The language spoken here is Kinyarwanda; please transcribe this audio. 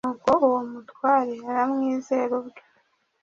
nuko uwo mutware aramwizera ubwe